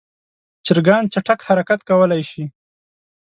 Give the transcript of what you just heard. چرګان چټک حرکت کولی شي.